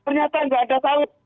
ternyata tidak ada sawit